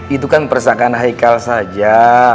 itu kan persaingan ika saja